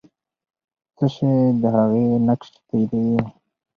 څه شی د هغې نقش تاییدوي؟